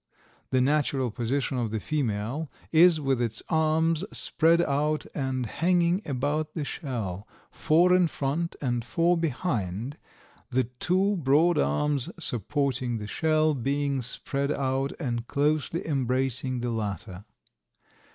The natural position of the female is with its arms spread out and hanging about the shell, four in front and four behind, the two broad arms supporting the shell being spread out and closely embracing the latter.